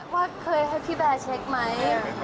ว่าเคยให้พี่แบร์เช็คไหม